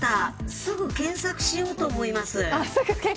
すぐ検索しようと思います。